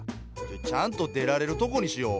ちゃんと出られるとこにしよ。